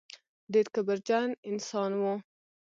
ډېر کبرجن انسان و.